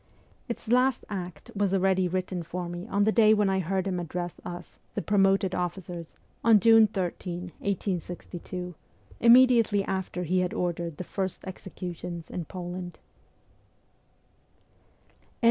Its last act was already written for me on the day when I heard him address us, the promoted officers, on June 13, 1862, immediately after he had ordered the first executions in Poland.